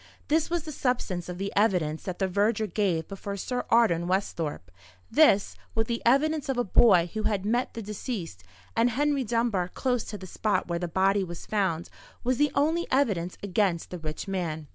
This was the substance of the evidence that the verger gave before Sir Arden Westhorpe. This, with the evidence of a boy who had met the deceased and Henry Dunbar close to the spot where the body was found, was the only evidence against the rich man.